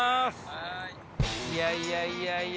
いやいやいやいや。